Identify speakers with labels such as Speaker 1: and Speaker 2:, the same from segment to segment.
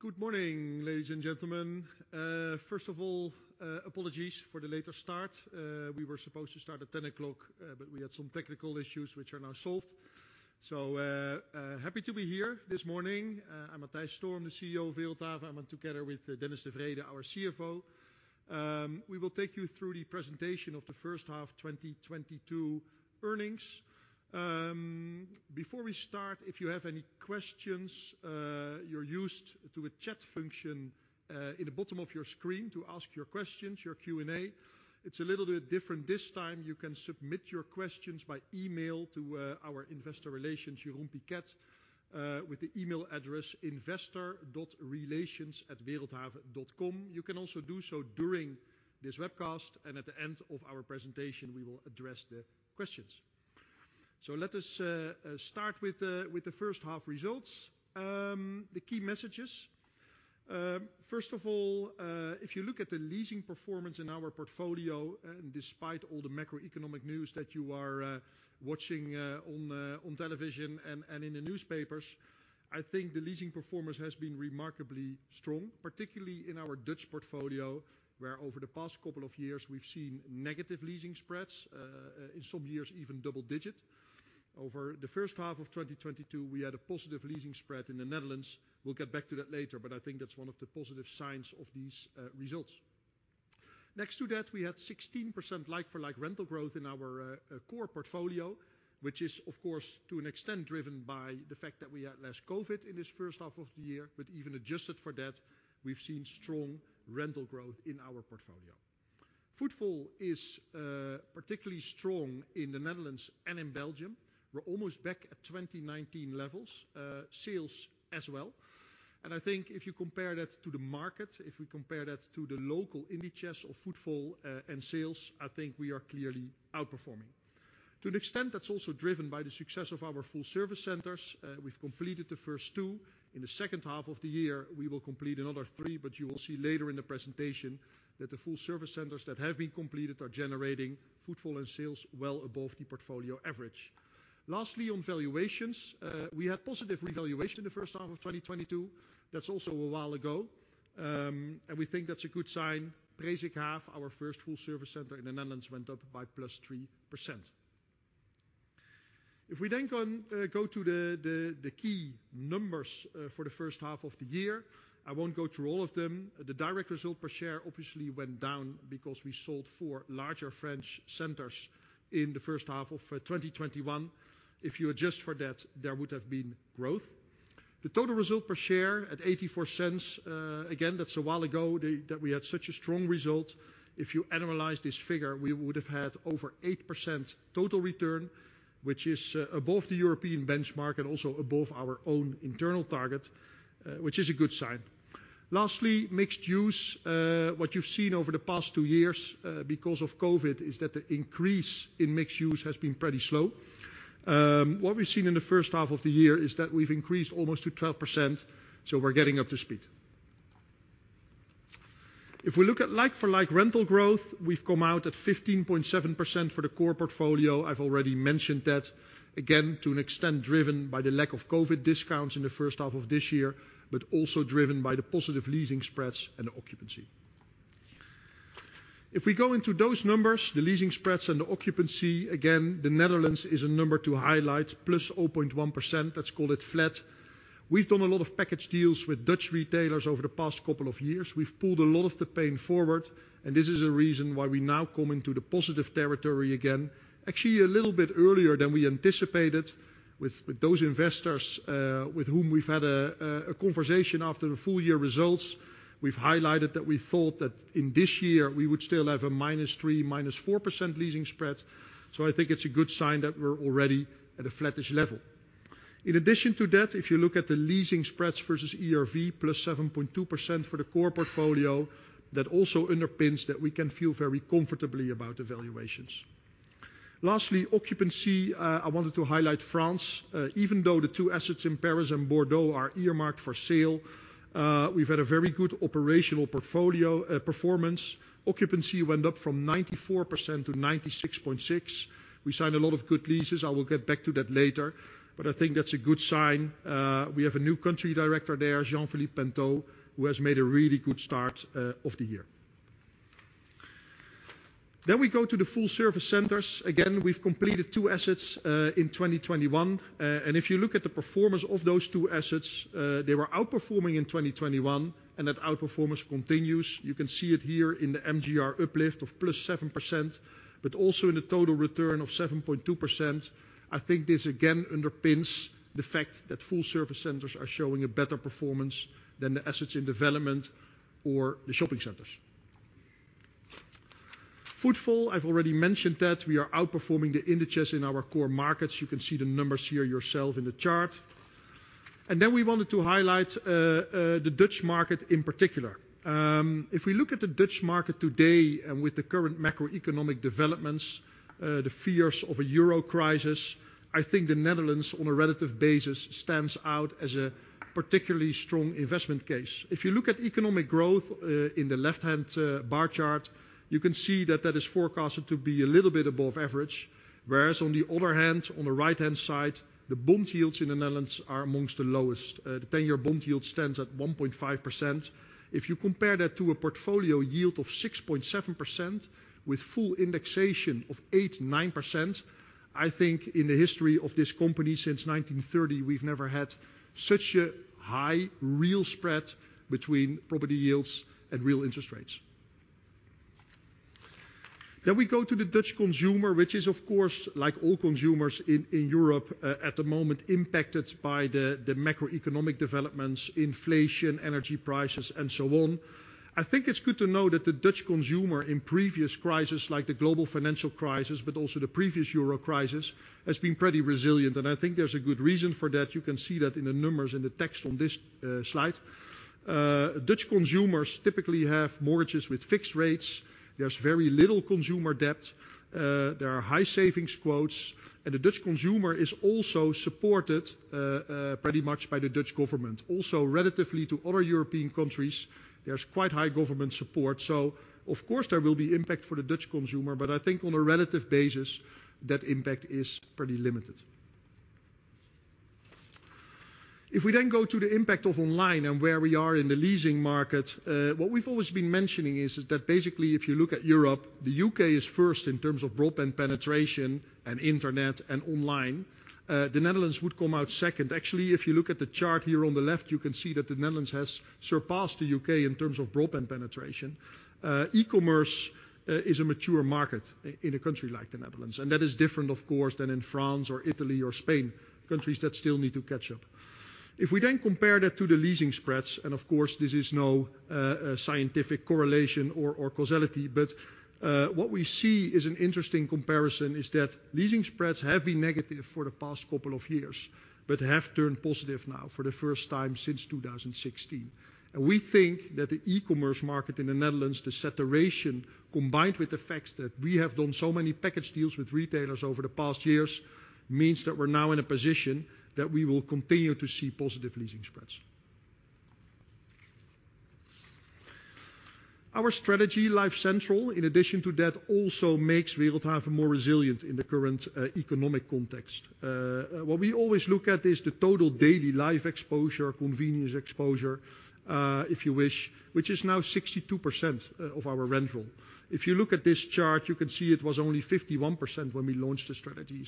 Speaker 1: Good morning, ladies and gentlemen. First of all, apologies for the later start. We were supposed to start at 10:00 A.M., but we had some technical issues, which are now solved. Happy to be here this morning. I'm Matthijs Storm, the CEO of Wereldhave. I'm on together with Dennis de Vreede, our CFO. We will take you through the presentation of the first half 2022 earnings. Before we start, if you have any questions, you're used to a chat function in the bottom of your screen to ask your questions, your Q&A. It's a little bit different this time. You can submit your questions by email to our investor relations, Jeroen Piket, with the email address investor.relations@wereldhave.com. You can also do so during this webcast, at the end of our presentation, we will address the questions. Let us start with the first half results. The key messages. First of all, if you look at the leasing performance in our portfolio despite all the macroeconomic news that you are watching on television and in the newspapers, I think the leasing performance has been remarkably strong, particularly in our Dutch portfolio, where over the past couple of years we've seen negative leasing spreads. In some years, even double-digit. Over the first half of 2022, we had a positive leasing spread in the Netherlands. We'll get back to that later, but I think that's one of the positive signs of these results. Next to that, we had 16% like-for-like rental growth in our core portfolio, which is of course to an extent driven by the fact that we had less COVID in this first half of the year. Even adjusted for that, we've seen strong rental growth in our portfolio. Footfall is particularly strong in the Netherlands and in Belgium. We're almost back at 2019 levels. Sales as well. I think if you compare that to the market, if we compare that to the local indices of footfall, and sales, I think we are clearly outperforming. To an extent that's also driven by the success of our Full Service Centers. We've completed the first two. In the second half of the year, we will complete another three. You will see later in the presentation that the Full Service Centers that have been completed are generating footfall and sales well above the portfolio average. Lastly, on valuations, we had positive revaluation in the first half of 2022. That's also a while ago. We think that's a good sign. Presikhaaf, our first Full Service Center in the Netherlands, went up by +3%. Go to the key numbers for the first half of the year. I won't go through all of them. The direct result per share obviously went down because we sold four larger French centers in the first half of 2021. If you adjust for that, there would have been growth. The total result per share at 0.84. Again, that's a while ago that we had such a strong result. If you annualize this figure, we would have had over 8% total return, which is above the European benchmark and also above our own internal target, which is a good sign. Lastly, mixed use. What you've seen over the past two years, because of COVID, is that the increase in mixed use has been pretty slow. What we've seen in the first half of the year is that we've increased almost to 12%, so we're getting up to speed. If we look at like-for-like rental growth, we've come out at 15.7% for the core portfolio. I've already mentioned that. Again, to an extent driven by the lack of COVID discounts in the first half of this year, but also driven by the positive leasing spreads and the occupancy. If we go into those numbers, the leasing spreads and the occupancy, again, the Netherlands is a number to highlight, +0.1%, let's call it flat. We've done a lot of package deals with Dutch retailers over the past couple of years. We've pulled a lot of the pain forward, and this is a reason why we now come into the positive territory again, actually a little bit earlier than we anticipated. With those investors, with whom we've had a conversation after the full year results. We've highlighted that we thought that in this year we would still have a -3%, -4% leasing spreads. I think it's a good sign that we're already at a flattish level. In addition to that, if you look at the leasing spreads versus ERV, +7.2% for the core portfolio, that also underpins that we can feel very comfortably about the valuations. Lastly, occupancy. I wanted to highlight France. Even though the two assets in Paris and Bordeaux are earmarked for sale, we've had a very good operational portfolio performance. Occupancy went up from 94% to 96.6%. We signed a lot of good leases. I will get back to that later, but I think that's a good sign. We have a new country director there, Jean-Philippe Pinteaux, who has made a really good start of the year. We go to the Full Service Centers. Again, we've completed two assets in 2021. If you look at the performance of those two assets, they were outperforming in 2021. That outperformance continues. You can see it here in the MGR uplift of +7%, but also in the total return of 7.2%. I think this again underpins the fact that Full Service Centers are showing a better performance than the assets in development or the shopping centers. Footfall, I've already mentioned that we are outperforming the indices in our core markets. You can see the numbers here yourself in the chart. We wanted to highlight the Dutch market in particular. If we look at the Dutch market today and with the current macroeconomic developments, the fears of a Euro crisis, I think the Netherlands, on a relative basis, stands out as a particularly strong investment case. If you look at economic growth in the left-hand bar chart, you can see that that is forecasted to be a little bit above average. Whereas on the other hand, on the right-hand side, the bond yields in the Netherlands are amongst the lowest. The 10-year bond yield stands at 1.5%. If you compare that to a portfolio yield of 6.7% with full indexation of 8%, 9%, I think in the history of this company since 1930, we've never had such a high real spread between property yields and real interest rates. We go to the Dutch consumer, which is of course like all consumers in Europe at the moment impacted by the macroeconomic developments, inflation, energy prices and so on. I think it's good to know that the Dutch consumer in previous crisis, like the global financial crisis, but also the previous Euro crisis, has been pretty resilient and I think there's a good reason for that. You can see that in the numbers in the text on this slide. Dutch consumers typically have mortgages with fixed rates. There's very little consumer debt. There are high savings rates, and the Dutch consumer is also supported pretty much by the Dutch government. Also, relatively to other European countries, there's quite high government support. Of course there will be impact for the Dutch consumer, but I think on a relative basis that impact is pretty limited. If we go to the impact of online and where we are in the leasing market, what we've always been mentioning is that basically if you look at Europe, the U.K. is first in terms of broadband penetration and internet and online. The Netherlands would come out second. Actually, if you look at the chart here on the left, you can see that the Netherlands has surpassed the U.K. in terms of broadband penetration. E-commerce is a mature market in a country like the Netherlands, and that is different, of course, than in France or Italy or Spain, countries that still need to catch up. If we compare that to the leasing spreads, of course this is no scientific correlation or causality, but what we see is an interesting comparison is that leasing spreads have been negative for the past couple of years but have turned positive now for the first time since 2016. We think that the e-commerce market in the Netherlands, the saturation combined with the fact that we have done so many package deals with retailers over the past years, means that we're now in a position that we will continue to see positive leasing spreads. Our strategy, LifeCentral, in addition to that, also makes real time more resilient in the current economic context. What we always look at is the total daily life exposure, convenience exposure, if you wish, which is now 62% of our rental. If you look at this chart, you can see it was only 51% when we launched the strategy.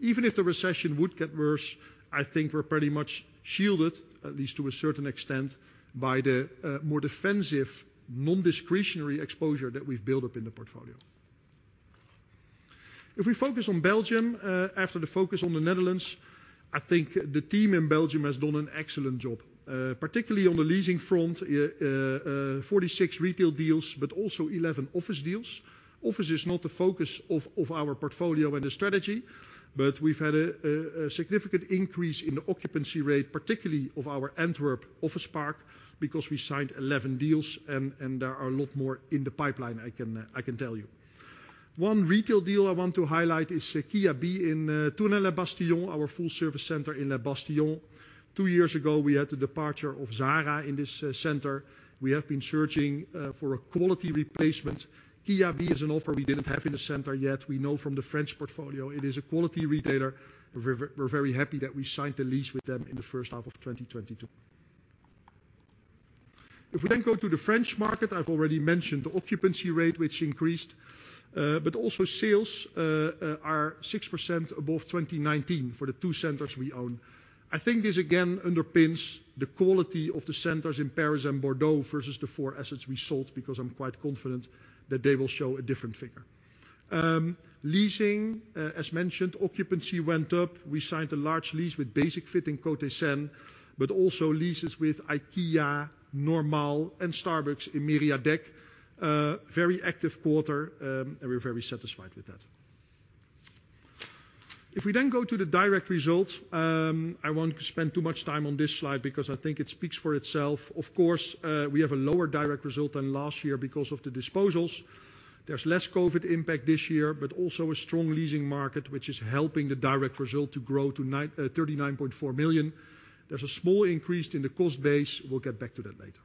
Speaker 1: Even if the recession would get worse, I think we're pretty much shielded, at least to a certain extent, by the more defensive non-discretionary exposure that we've built up in the portfolio. If we focus on Belgium, after the focus on the Netherlands, I think the team in Belgium has done an excellent job, particularly on the leasing front, 46 retail deals, but also 11 office deals. Office is not the focus of our portfolio and the strategy, but we've had a significant increase in the occupancy rate, particularly of our Antwerp office park, because we signed 11 deals and there are a lot more in the pipeline, I can tell you. One retail deal I want to highlight is Kiabi in Thionville La Bastille, our Full Service Center in La Bastille. Two years ago, we had the departure of Zara in this center. We have been searching for a quality replacement. Kiabi is an offer we did not have in the center yet. We know from the French portfolio it is a quality retailer. We're very happy that we signed the lease with them in the first half of 2022. If we then go to the French market, I've already mentioned the occupancy rate, which increased. Sales are 6% above 2019 for the two centers we own. I think this again underpins the quality of the centers in Paris and Bordeaux versus the four assets we sold because I'm quite confident that they will show a different figure. Leasing, as mentioned, occupancy went up. We signed a large lease with Basic-Fit in Côté Seine, but also leases with IKEA, Normal, and Starbucks in Mériadeck. Very active quarter. We're very satisfied with that. If we then go to the direct results, I won't spend too much time on this slide because I think it speaks for itself. Of course, we have a lower direct result than last year because of the disposals. There's less COVID impact this year, but also a strong leasing market, which is helping the direct result to grow to 39.4 million. There's a small increase in the cost base. We'll get back to that later.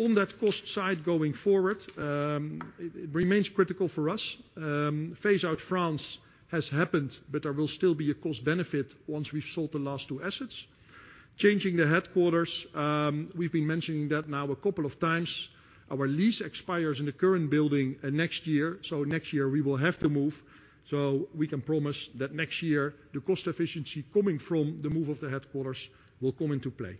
Speaker 1: On that cost side going forward, it remains critical for us. Phase out France has happened, but there will still be a cost benefit once we've sold the last two assets. Changing the headquarters. We've been mentioning that now a couple of times. Our lease expires in the current building next year. Next year we will have to move so we can promise that next year the cost efficiency coming from the move of the headquarters will come into play.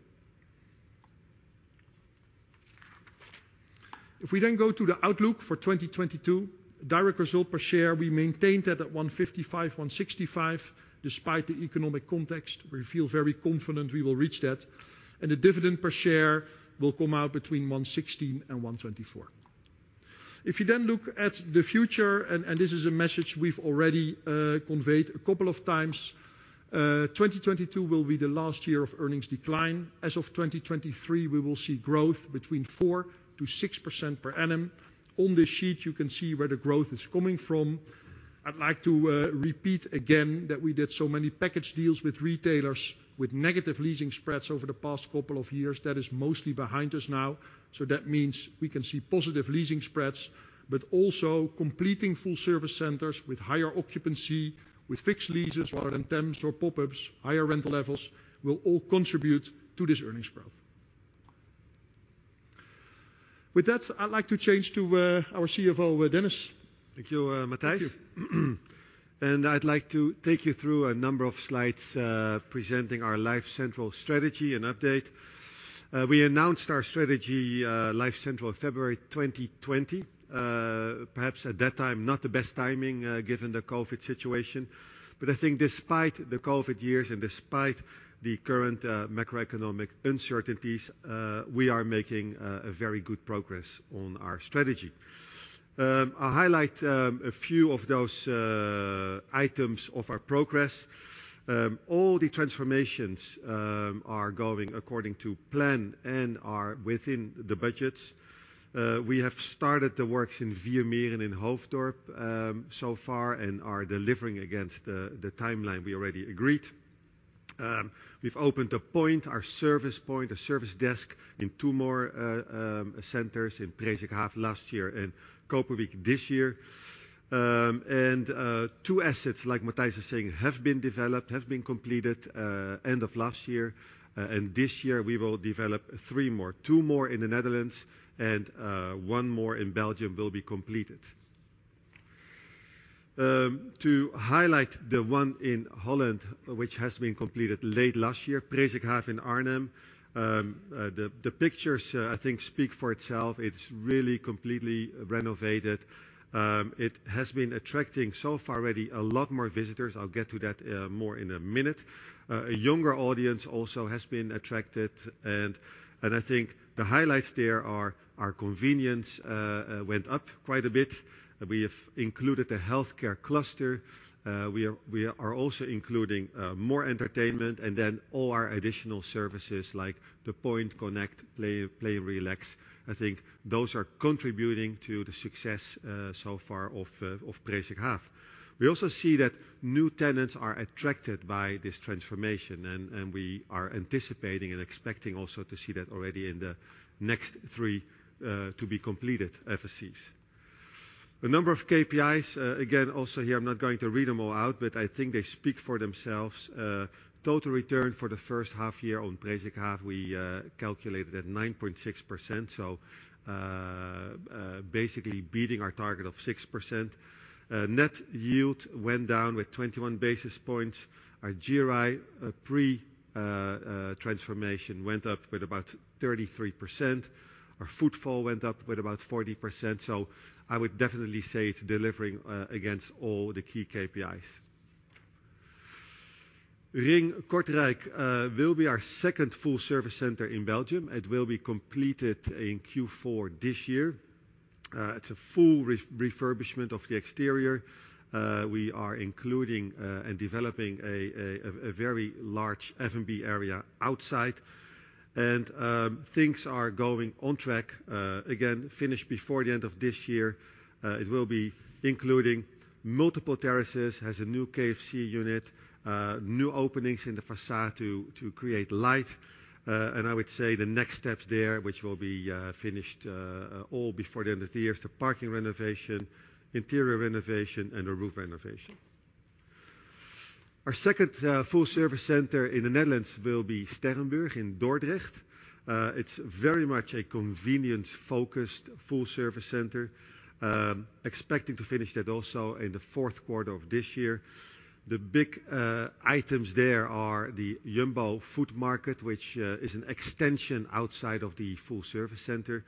Speaker 1: If we then go to the outlook for 2022, direct result per share. We maintained that at 1.55-1.65 despite the economic context. We feel very confident we will reach that, and the dividend per share will come out between 1.16 and 1.24. If you then look at the future, and this is a message we've already conveyed a couple of times, 2022 will be the last year of earnings decline. As of 2023, we will see growth between 4%-6% per annum. On this sheet, you can see where the growth is coming from. I'd like to repeat again that we did so many package deals with retailers with negative leasing spreads over the past couple of years. That is mostly behind us now. That means we can see positive leasing spreads. Completing Full Service Centers with higher occupancy, with fixed leases rather than temps or pop-ups, higher rental levels will all contribute to this earnings growth. With that, I'd like to change to our CFO, Dennis.
Speaker 2: Thank you, Matthijs.
Speaker 1: Thank you.
Speaker 2: I'd like to take you through a number of slides presenting our LifeCentral strategy and update. We announced our strategy, LifeCentral, February 2020. Perhaps at that time, not the best timing given the COVID situation. I think despite the COVID years and despite the current macroeconomic uncertainties, we are making very good progress on our strategy. I'll highlight a few of those items of our progress. All the transformations are going according to plan and are within the budgets. We have started the works in Vier Meren and in Hoofddorp so far and are delivering against the timeline we already agreed. We've opened The Point, our service Point, a service desk, in two more centers, in Presikhaaf last year and Kopervik this year. Two assets, like Matthijs is saying, have been developed, have been completed end of last year. This year we will develop three more. Two more in the Netherlands and one more in Belgium will be completed. To highlight the one in Holland, which has been completed late last year, Presikhaaf in Arnhem. The pictures, I think, speak for itself. It's really completely renovated. It has been attracting so far already a lot more visitors. I'll get to that more in a minute. A younger audience also has been attracted. I think the highlights there are our convenience went up quite a bit. We have included a healthcare cluster. We are also including more entertainment and then all our additional services like The Point Connect, Play, Relax. I think those are contributing to the success so far of Presikhaaf. We also see that new tenants are attracted by this transformation. We are anticipating and expecting also to see that already in the next three to be completed FSCs. A number of KPIs. Again, also here, I'm not going to read them all out, but I think they speak for themselves. Total return for the first half year on Presikhaaf we calculated at 9.6%, so basically beating our target of 6%. Net yield went down with 21 basis points. Our GRI pre-transformation went up with about 33%. Our footfall went up with about 40%, so I would definitely say it's delivering against all the key KPIs. Ring Kortrijk will be our second full-service center in Belgium. It will be completed in Q4 this year. It's a full refurbishment of the exterior. We are including and developing a very large F&B area outside. Things are going on track. Again, finished before the end of this year. It will be including multiple terraces, has a new KFC unit, new openings in the façade to create light. I would say the next steps there, which will be finished all before the end of the year, is the parking renovation, interior renovation, and a roof renovation. Our second full-service center in the Netherlands will be Sterrenburg in Dordrecht. It's very much a convenience-focused full-service center. Expecting to finish that also in the fourth quarter of this year. The big items there are the Jumbo food market, which is an extension outside of the full-service center,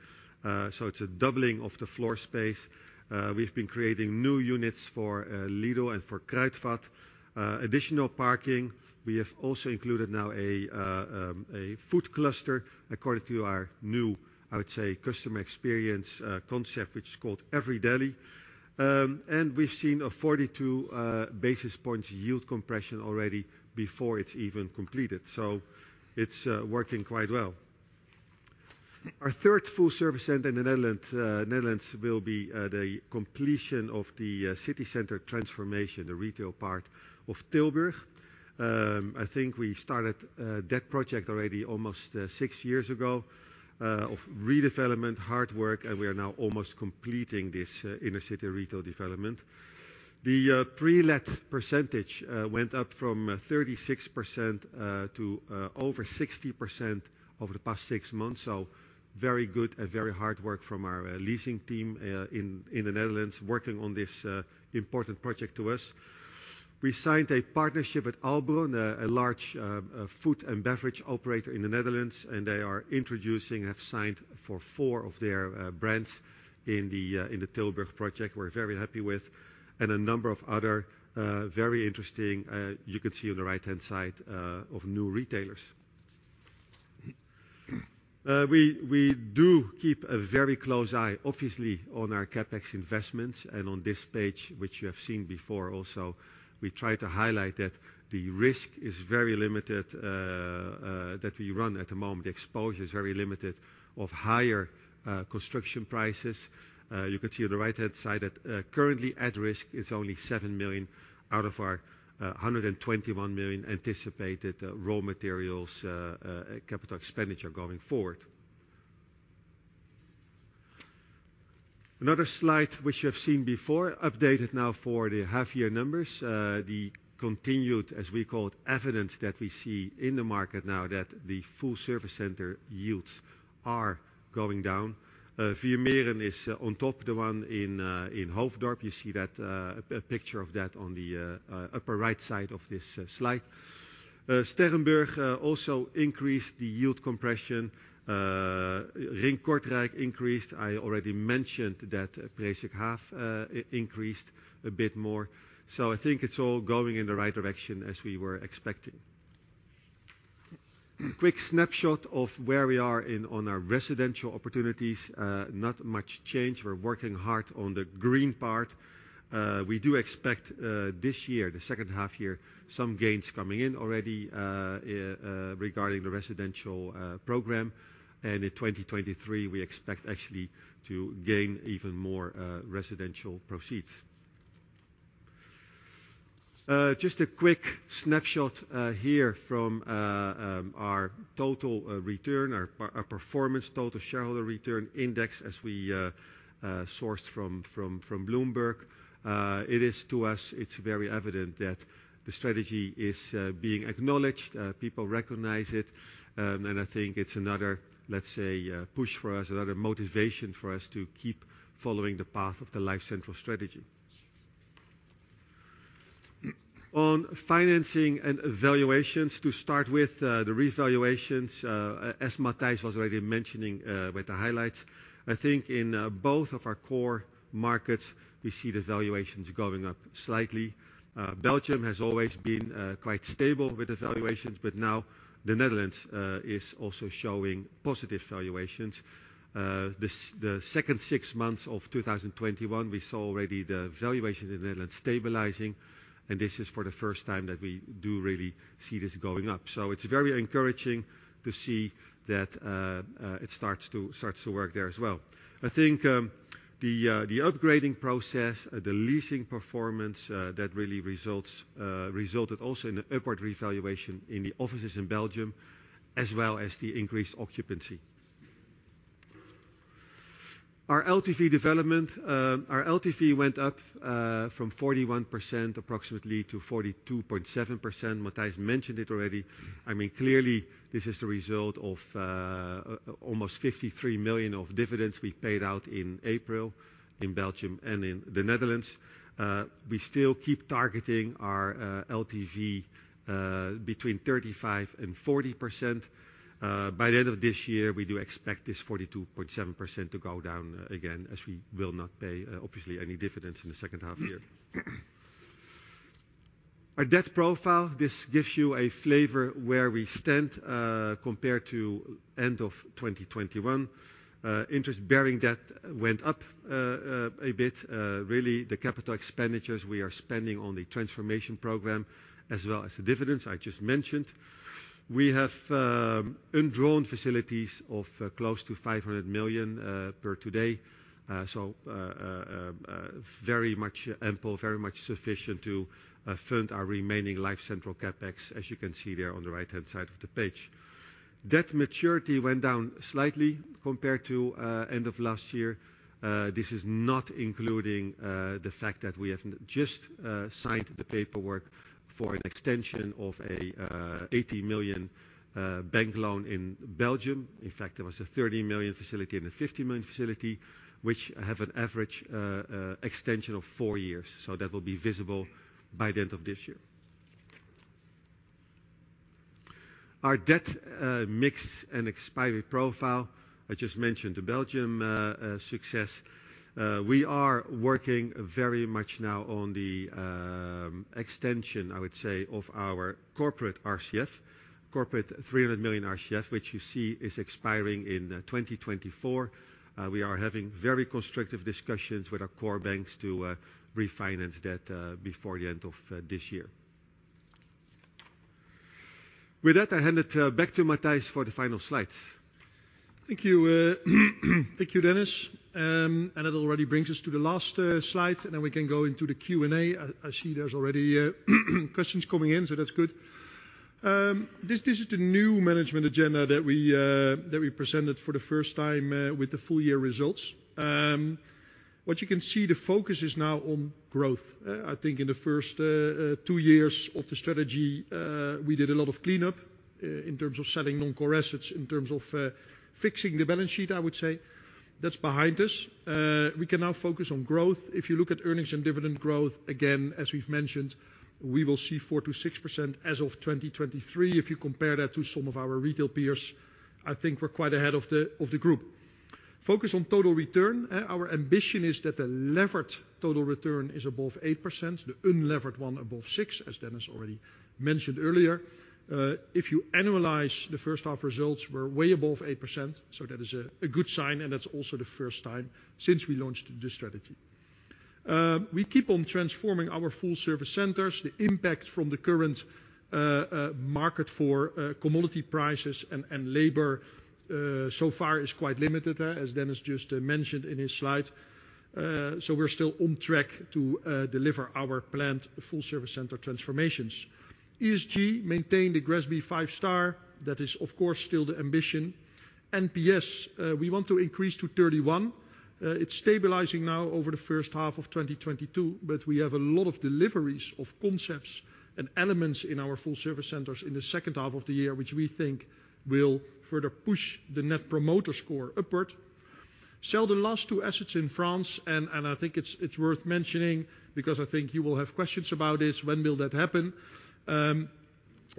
Speaker 2: so it's a doubling of the floor space. We've been creating new units for Lidl and for Kruidvat. Additional parking. We have also included now a food cluster according to our new, I would say, customer experience concept, which is called every.deli. We've seen a 42 basis points yield compression already before it's even completed. It's working quite well. Our third full-service center in the Netherlands will be the completion of the city center transformation, the retail part of Tilburg. I think we started that project already almost six years ago of redevelopment, hard work. We are now almost completing this inner city retail development. The pre-let percentage went up from 36% to over 60% over the past six months, so very good and very hard work from our leasing team in the Netherlands working on this important project to us. We signed a partnership with Albron, a large food and beverage operator in the Netherlands. They are introducing, have signed for four of their brands in the Tilburg project. We're very happy with and a number of other very interesting, you can see on the right-hand side, of new retailers. We do keep a very close eye, obviously, on our CapEx investments and on this page, which you have seen before also, we try to highlight that the risk is very limited that we run at the moment. The exposure is very limited of higher construction prices. You can see on the right-hand side that currently at risk, it's only 7 million out of our 121 million anticipated raw materials capital expenditure going forward. Another slide which you have seen before, updated now for the half year numbers. The continued, as we call it, evidence that we see in the market now that the full-service center yields are going down. Viermeren is on top, the one in Hoofddorp. You see a picture of that on the upper right side of this slide. Sterrenburg also increased the yield compression. Ring Kortrijk increased. I already mentioned that Presikhaaf increased a bit more. I think it's all going in the right direction as we were expecting.
Speaker 1: Yes.
Speaker 2: Quick snapshot of where we are on our residential opportunities. Not much change. We're working hard on the green part. We do expect, this year, the second half year, some gains coming in already regarding the residential program. In 2023, we expect actually to gain even more residential proceeds. Just a quick snapshot here from our total return, our performance total shareholder return index as we sourced from Bloomberg. It is to us, it's very evident that the strategy is being acknowledged. People recognize it. I think it's another, let's say, push for us, another motivation for us to keep following the path of the LifeCentral strategy. On financing and valuations to start with, the revaluations, as Matthijs was already mentioning with the highlights, I think in both of our core markets, we see the valuations going up slightly. Belgium has always been quite stable with the valuations, now the Netherlands is also showing positive valuations. The second six months of 2021, we saw already the valuation in the Netherlands stabilizing, this is for the first time that we do really see this going up. It's very encouraging to see that it starts to work there as well. I think the upgrading process, the leasing performance, that really resulted also in upward revaluation in the offices in Belgium, as well as the increased occupancy. Our LTV development. Our LTV went up from 41%, approximately, to 42.7%. Matthijs mentioned it already. Clearly, this is the result of almost 53 million of dividends we paid out in April in Belgium and in the Netherlands. We still keep targeting our LTV between 35% and 40%. By the end of this year, we do expect this 42.7% to go down again, as we will not pay, obviously, any dividends in the second half year. Our debt profile, this gives you a flavor where we stand compared to end of 2021. Interest-bearing debt went up a bit. Really the capital expenditures we are spending on the transformation program as well as the dividends I just mentioned. We have undrawn facilities of close to 500 million per today. Very much ample, very much sufficient to fund our remaining LifeCentral CapEx, as you can see there on the right-hand side of the page. Debt maturity went down slightly compared to end of last year. This is not including the fact that we have just signed the paperwork for an extension of a 80 million bank loan in Belgium. In fact, there was a 30 million facility and a 50 million facility which have an average extension of four years. That will be visible by the end of this year. Our debt mix and expiry profile. I just mentioned the Belgian success. We are working very much now on the extension, I would say, of our corporate RCF, 300 million RCF, which you see is expiring in 2024. We are having very constructive discussions with our core banks to refinance that before the end of this year. With that, I hand it back to Matthijs for the final slides.
Speaker 1: Thank you. Thank you, Dennis. It already brings us to the last slide, and then we can go into the Q&A. I see there's already questions coming in, that's good. This is the new management agenda that we presented for the first time with the full-year results. What you can see, the focus is now on growth. I think in the first two years of the strategy, we did a lot of cleanup in terms of selling non-core assets, in terms of fixing the balance sheet, I would say. That's behind us. We can now focus on growth. If you look at earnings and dividend growth, again, as we've mentioned, we will see 4%-6% as of 2023. If you compare that to some of our retail peers, I think we're quite ahead of the group. Focus on total return. Our ambition is that the levered total return is above 8%, the unlevered one above 6%, as Dennis already mentioned earlier. If you annualize the first half results, we're way above 8%, that is a good sign, and that's also the first time since we launched this strategy. We keep on transforming our Full Service Centers. The impact from the current market for commodity prices and labor so far is quite limited, as Dennis just mentioned in his slide. We're still on track to deliver our planned Full Service Center transformations. ESG maintained a GRESB five star. That is, of course, still the ambition. NPS, we want to increase to 31. It's stabilizing now over the first half of 2022, but we have a lot of deliveries of concepts and elements in our Full Service Centers in the second half of the year, which we think will further push the net promoter score upward. Sell the last two assets in France. I think it's worth mentioning because I think you will have questions about this, when will that happen?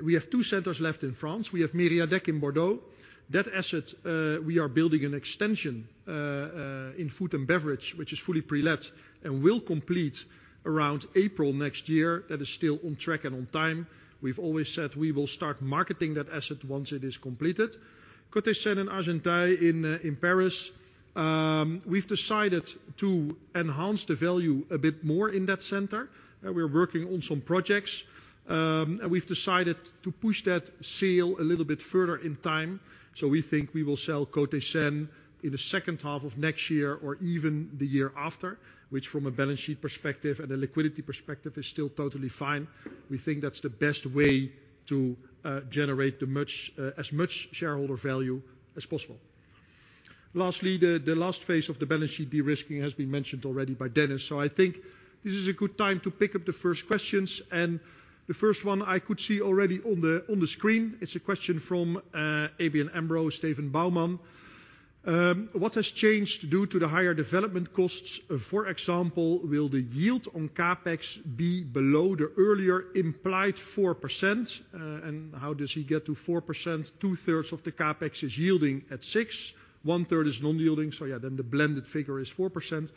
Speaker 1: We have two centers left in France. We have Mériadeck in Bordeaux. That asset, we are building an extension in F&B, which is fully pre-let and will complete around April next year. That is still on track and on time. We've always said we will start marketing that asset once it is completed. Côté Seine in Argenteuil in Paris, we've decided to enhance the value a bit more in that center. We're working on some projects. We've decided to push that sale a little bit further in time. We think we will sell Côté Seine in the second half of next year or even the year after, which from a balance sheet perspective and a liquidity perspective, is still totally fine. We think that's the best way to generate as much shareholder value as possible. Lastly, the last phase of the balance sheet de-risking has been mentioned already by Dennis. I think this is a good time to pick up the first questions, and the first one I could see already on the screen. It's a question from ABN AMRO, Steven Bouman. "What has changed due to the higher development costs? For example, will the yield on CapEx be below the earlier implied 4%?" How does he get to 4%? Two-thirds of the CapEx is yielding at six, one-third is non-yielding. Yeah, then the blended figure is 4%.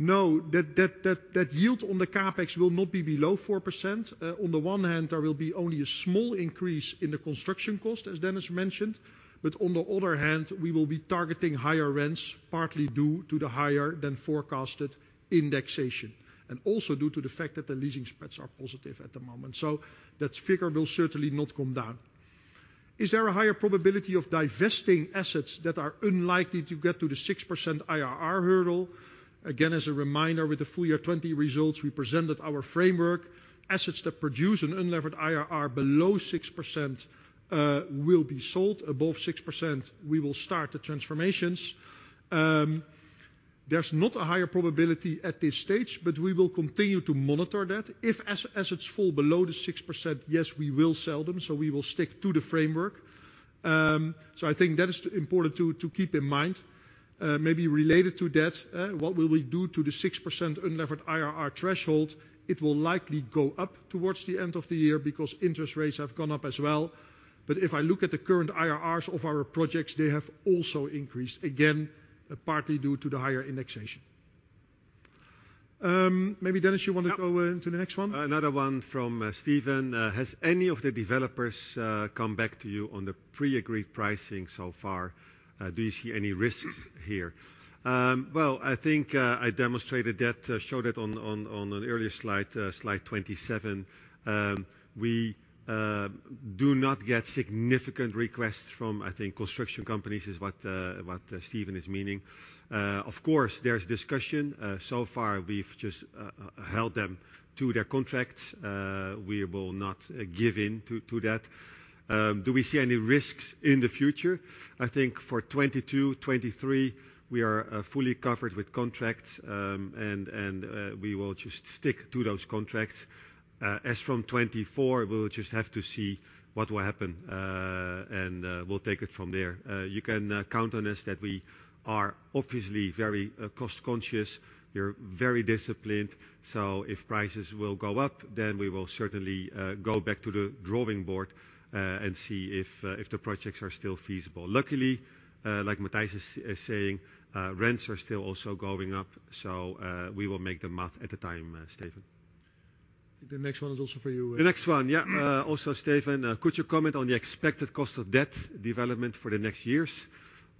Speaker 1: No, that yield on the CapEx will not be below 4%. On the one hand, there will be only a small increase in the construction cost, as Dennis mentioned. But on the other hand, we will be targeting higher rents, partly due to the higher than forecasted indexation, and also due to the fact that the leasing spreads are positive at the moment. That figure will certainly not come down. "Is there a higher probability of divesting assets that are unlikely to get to the 6% IRR hurdle?" Again, as a reminder, with the full year 2020 results, we presented our framework. Assets that produce an unlevered IRR below 6% will be sold. Above 6%, we will start the transformations. There's not a higher probability at this stage, but we will continue to monitor that. If assets fall below the 6%, yes, we will sell them. We will stick to the framework. I think that is important to keep in mind. Maybe related to that, what will we do to the 6% unlevered IRR threshold? It will likely go up towards the end of the year because interest rates have gone up as well. If I look at the current IRRs of our projects, they have also increased, again, partly due to the higher indexation. Maybe Dennis, you want to go into the next one?
Speaker 2: Another one from Steven. "Has any of the developers come back to you on the pre-agreed pricing so far? Do you see any risks here?" Well, I think I demonstrated that, showed that on an earlier slide 27. We do not get significant requests from, I think, construction companies is what Steven is meaning. There's discussion. So far, we've just held them to their contracts. We will not give in to that. Do we see any risks in the future? I think for 2022, 2023, we are fully covered with contracts, and we will just stick to those contracts. As from 2024, we'll just have to see what will happen, and we'll take it from there. You can count on us that we are obviously very cost conscious. We're very disciplined. If prices will go up, we will certainly go back to the drawing board and see if the projects are still feasible. Luckily, like Matthijs is saying, rents are still also going up, we will make the math at the time, Steven.
Speaker 1: The next one is also for you.
Speaker 2: The next one. Also Steven. "Could you comment on the expected cost of debt development for the next years?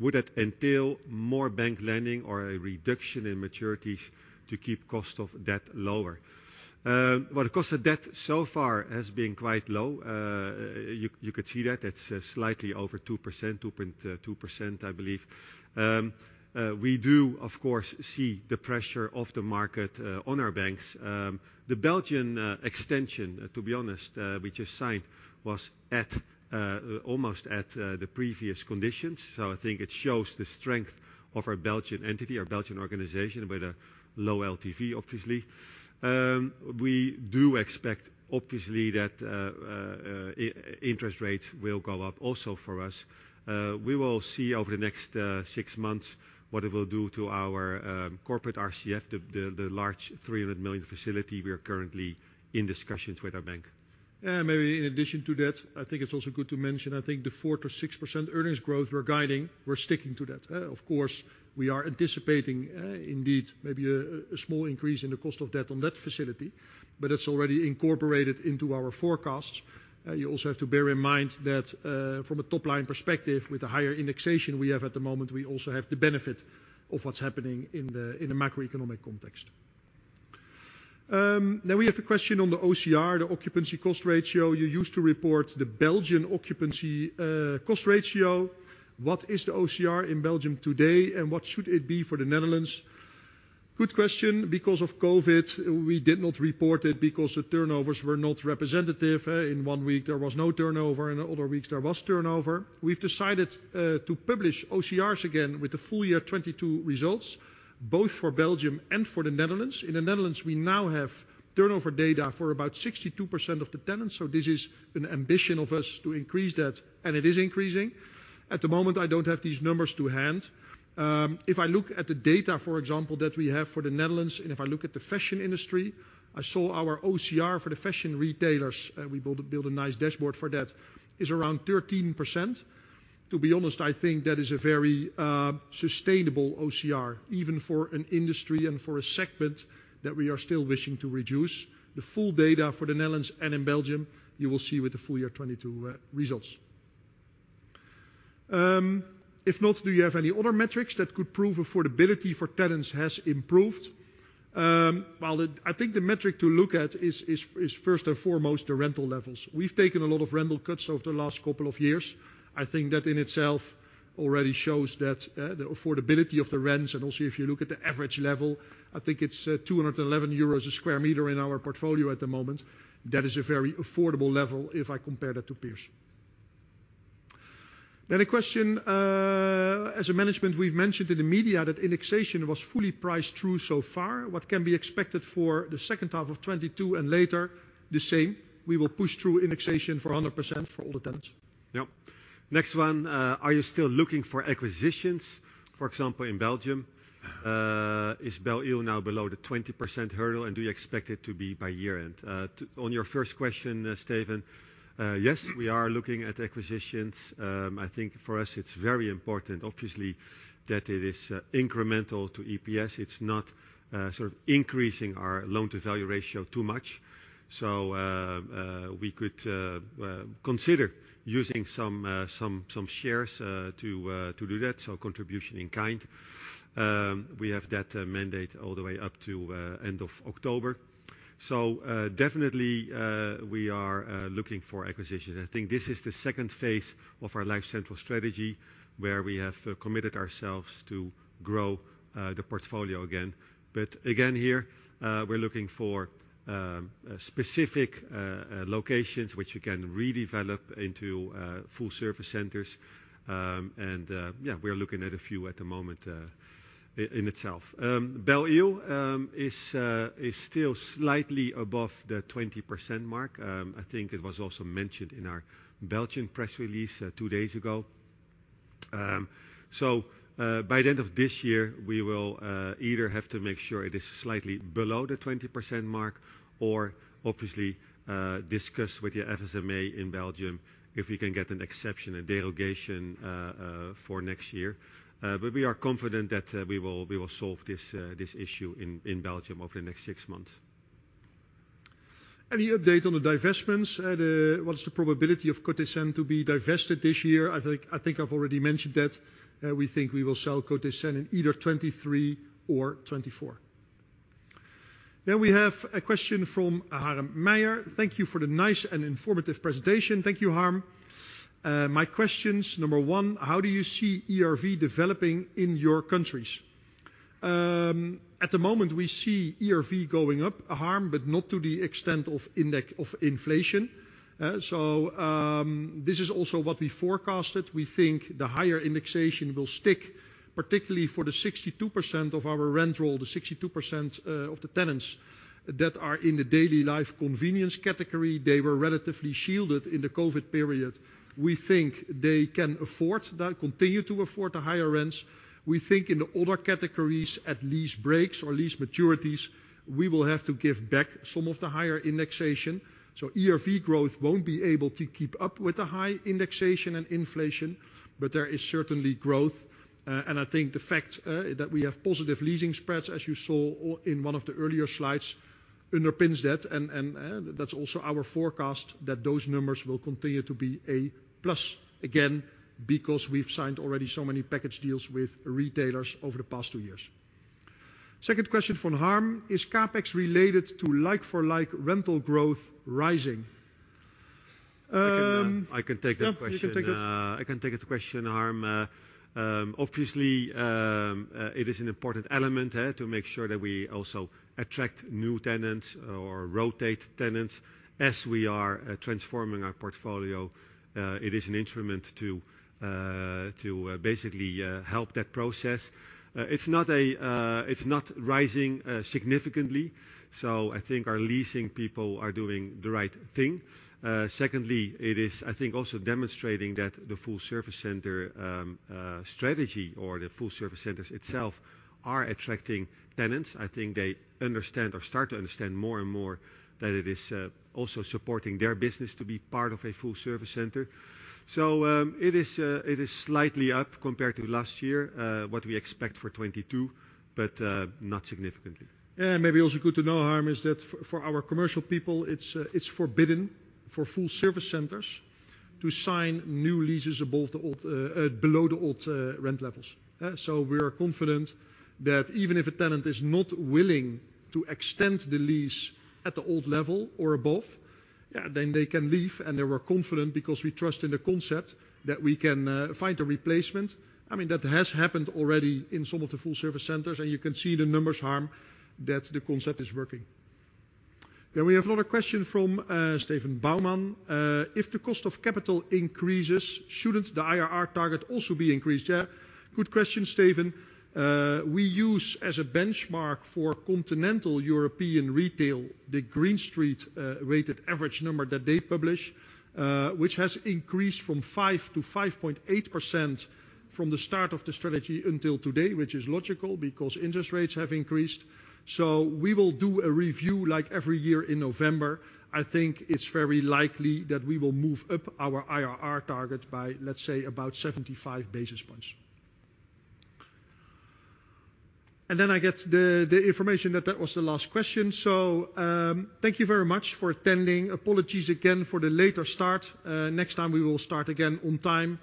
Speaker 2: Would that entail more bank lending or a reduction in maturities to keep cost of debt lower?" The cost of debt so far has been quite low. You could see that. It's slightly over 2%, 2.2%, I believe. We do, of course, see the pressure of the market on our banks. The Belgian extension, to be honest, we just signed, was almost at the previous conditions. I think it shows the strength of our Belgian entity, our Belgian organization, with a low LTV, obviously. We do expect, obviously, that interest rates will go up also for us. We will see over the next six months what it will do to our corporate RCF, the large 300 million facility we are currently in discussions with our bank.
Speaker 1: Maybe in addition to that, I think it's also good to mention, the 4%-6% earnings growth we're guiding, we're sticking to that. Of course, we are anticipating, indeed, maybe a small increase in the cost of debt on that facility, but it's already incorporated into our forecasts. You also have to bear in mind that from a top-line perspective, with the higher indexation we have at the moment, we also have the benefit of what's happening in the macroeconomic context. We have a question on the OCR, the occupancy cost ratio. "You used to report the Belgian occupancy cost ratio. What is the OCR in Belgium today, and what should it be for the Netherlands?" Good question. Because of COVID, we did not report it because the turnovers were not representative. In one week, there was no turnover. In other weeks, there was turnover. We've decided to publish OCRs again with the full year 2022 results, both for Belgium and for the Netherlands. In the Netherlands, we now have turnover data for about 62% of the tenants. This is an ambition of us to increase that, and it is increasing. At the moment, I don't have these numbers to hand. If I look at the data, for example, that we have for the Netherlands, and if I look at the fashion industry, I saw our OCR for the fashion retailers, we built a nice dashboard for that, is around 13%. To be honest, I think that is a very sustainable OCR, even for an industry and for a segment that we are still wishing to reduce. The full data for the Netherlands and in Belgium, you will see with the full year 2022 results. If not, do you have any other metrics that could prove affordability for tenants has improved?" I think the metric to look at is first and foremost the rental levels. We've taken a lot of rental cuts over the last couple of years. I think that in itself already shows that the affordability of the rents, and also if you look at the average level, I think it's 211 euros a square meter in our portfolio at the moment. That is a very affordable level if I compare that to peers. A question, "As a management, we've mentioned in the media that indexation was fully priced through so far. What can be expected for the second half of 2022 and later?" The same. We will push through indexation for 100% for all the tenants.
Speaker 2: Next one, "Are you still looking for acquisitions, for example, in Belgium? Is Belle-Île now below the 20% hurdle, and do you expect it to be by year-end?" On your first question, Steven, yes, we are looking at acquisitions. I think for us, it's very important, obviously, that it is incremental to EPS. It's not increasing our loan-to-value ratio too much. We could consider using some shares to do that, so contribution in kind. We have that mandate all the way up to end of October. Definitely, we are looking for acquisitions. I think this is the second phase of our LifeCentral strategy, where we have committed ourselves to grow the portfolio again. Again, here, we're looking for specific locations which we can redevelop into Full Service Centers. We're looking at a few at the moment in itself. Belle-Île is still slightly above the 20% mark. I think it was also mentioned in our Belgian press release two days ago. By the end of this year, we will either have to make sure it is slightly below the 20% mark or obviously discuss with the FSMA in Belgium if we can get an exception, a delegation for next year. We are confident that we will solve this issue in Belgium over the next six months.
Speaker 1: Any update on the divestments? What is the probability of Côté Seine to be divested this year?" I think I've already mentioned that. We think we will sell Côté Seine in either 2023 or 2024. We have a question from Harm Meijer. "Thank you for the nice and informative presentation." Thank you, Harm. "My questions, number one, how do you see ERV developing in your countries?" At the moment, we see ERV going up, Harm, but not to the extent of inflation. This is also what we forecasted. We think the higher indexation will stick, particularly for the 62% of our rent roll, the 62% of the tenants that are in the daily life convenience category. They were relatively shielded in the COVID period. We think they can continue to afford the higher rents. We think in the other categories, at lease breaks or lease maturities, we will have to give back some of the higher indexation. ERV growth won't be able to keep up with the high indexation and inflation, but there is certainly growth. I think the fact that we have positive leasing spreads, as you saw in one of the earlier slides, underpins that, and that's also our forecast that those numbers will continue to be a plus, again, because we've signed already so many package deals with retailers over the past two years. Second question from Harm. "Is CapEx related to like-for-like rental growth rising?
Speaker 2: I can take that question.
Speaker 1: Yeah, you can take that.
Speaker 2: I can take that question, Harm. Obviously, it is an important element to make sure that we also attract new tenants or rotate tenants as we are transforming our portfolio. It is an instrument to basically help that process. It's not rising significantly. I think our leasing people are doing the right thing. Secondly, it is, I think, also demonstrating that the Full Service Center strategy or the Full Service Centers itself are attracting tenants. I think they understand or start to understand more and more that it is also supporting their business to be part of a Full Service Center. It is slightly up compared to last year, what we expect for 2022, but not significantly.
Speaker 1: Maybe also good to know, Harm, is that for our commercial people, it's forbidden For Full Service Centers to sign new leases below the old rent levels. We are confident that even if a tenant is not willing to extend the lease at the old level or above, then they can leave, and we're confident because we trust in the concept that we can find a replacement. That has happened already in some of the Full Service Centers, and you can see the numbers, Harm, that the concept is working. We have another question from Steven Bouman. If the cost of capital increases, shouldn't the IRR target also be increased? Good question, Steven. We use as a benchmark for continental European retail, the Green Street rated average number that they publish, which has increased from 5% to 5.8% from the start of the strategy until today, which is logical because interest rates have increased. We will do a review like every year in November. I think it's very likely that we will move up our IRR target by, let's say, about 75 basis points. I get the information that that was the last question. Thank you very much for attending. Apologies again for the later start. Next time, we will start again on time.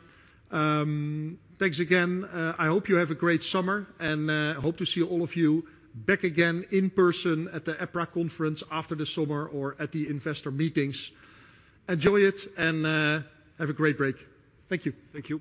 Speaker 1: Thanks again. I hope you have a great summer, and hope to see all of you back again in person at the EPRA conference after the summer or at the investor meetings. Enjoy it, and have a great break. Thank you.
Speaker 3: Thank you